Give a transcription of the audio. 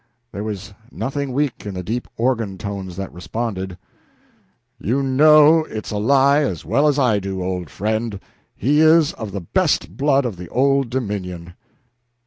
There was nothing weak in the deep organ tones that responded "You know it's a lie as well as I do, old friend. He is of the best blood of the Old Dominion."